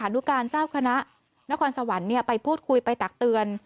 นุการเจ้าคณะนครสวรรค์ไปพูดคุยไปตักเตือน